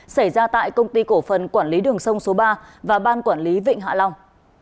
xảy ra tại công ty cổ phần quản lý đường sông số ba và ban quản lý vịnh hạ long